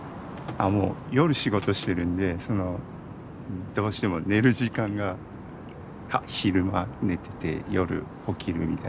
あもう夜仕事してるんでどうしても寝る時間が昼間寝てて夜起きるみたいな感じなんですよ。